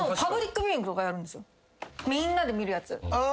みんなで見るやつ。